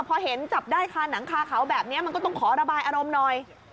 พอเห็นจับได้คาหนังคาเขาแบบนี้มันก็ต้องขอระบายอารมณ์หน่อย